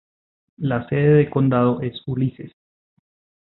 La sede de condado es Ulysses.